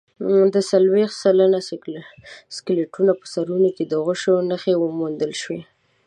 د څلوېښت سلنه سکلیټونو په سرونو کې د غشو نښې وموندل شوې.